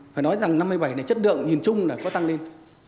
phải nói rằng năm hai nghìn một mươi bảy này chất lượng nhìn chung là có tăng lên